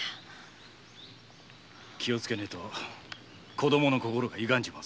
気をつけねえと子供の心がゆがんじまうぞ。